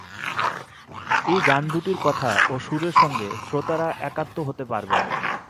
এই গান দুটির কথা ও সুরের সঙ্গে শ্রোতারা একাত্ম হতে পারবেন।